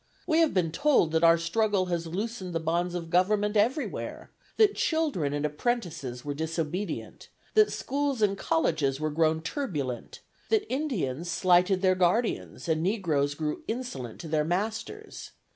We have been told that our struggle has loosened the bonds of government everywhere; that children and apprentices were disobedient; that schools and colleges were grown turbulent; that Indians slighted their guardians, and negroes grew insolent to their masters.